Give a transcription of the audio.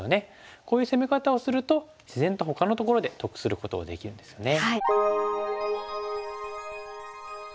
こういう攻め方をすると自然とほかのところで得することができるんですよね。